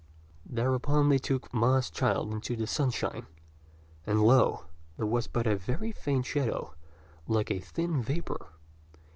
Thereupon they took Ma's child into the sunshine, and lo! there was but a very faint shadow, like a thin vapour.